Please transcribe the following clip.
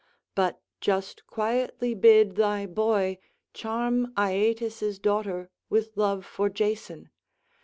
But just quietly bid thy boy charm Aeetes' daughter with love for Jason.